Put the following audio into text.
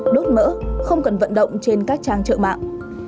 đốt mỡ không cần vận động trên các trang trợ mạng